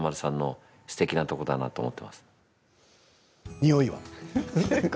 においは？